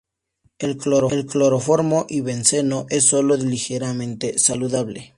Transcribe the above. En cloroformo y benceno es sólo ligeramente soluble.